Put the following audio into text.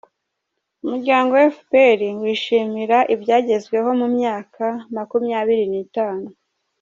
Umuryango efuperi wishimira ibyagezweho mu myaka makumwabiri nitanu